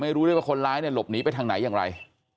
ไม่รู้เลยว่าคนร้ายหลบหนีไปทางไหนอย่างไร